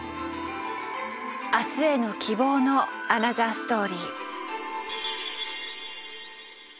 明日への希望のアナザーストーリー。